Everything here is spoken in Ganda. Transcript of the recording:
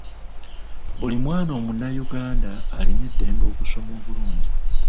Buli mwana omunnayuganda alina eddembe okusoma obulungi.